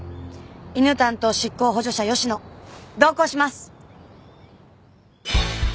犬担当執行補助者吉野同行します！